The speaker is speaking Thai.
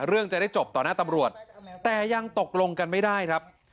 เรื่องจะได้จบต่อหน้าตำรวจแต่ยังตกลงกันไม่ได้ครับ